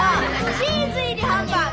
チーズ入りハンバーグ！